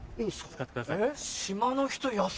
使ってください。